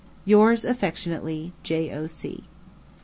Yours affectionately, J.O.C.